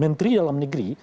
menteri dalam negeri